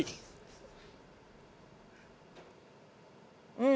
うん。